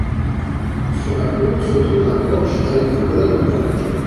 Sur la cour se trouve un porche avec des colonnes en bois.